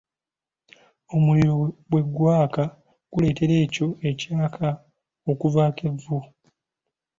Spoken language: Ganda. Omuliro bwe gwaka guleetera ekyo ekyaka okuvaako evvu.